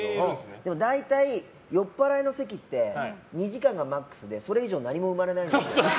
でも、大体、酔っ払いの席って２時間がマックスでそれ以上何も生まれないので。